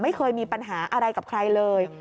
ไม่เคยมีปัญหาอะไรกับใครเลย